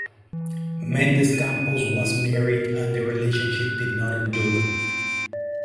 Mendes Campos was married and the relationship did not endure.